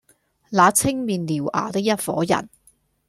那青面獠牙的一夥人，